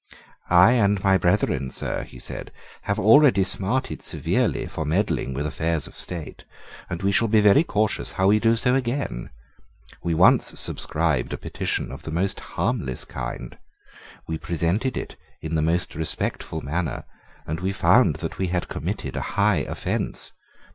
"I and my brethren, sir," he said, "have already smarted severely for meddling with affairs of state; and we shall be very cautious how we do so again. We once subscribed a petition of the most harmless kind: we presented it in the most respectful manner; and we found that we had committed a high offence.